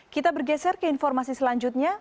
kita bergeser ke informasi selanjutnya